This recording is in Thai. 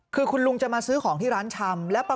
คือคุณลุงจะมาซื้อของที่ร้านชำ